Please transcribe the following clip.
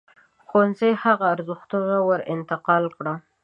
ښوونځی هغه ارزښتونه ور انتقال کړي.